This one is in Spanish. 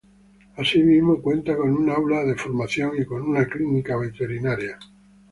Asimismo, cuenta con un aula de formación y con una clínica veterinaria.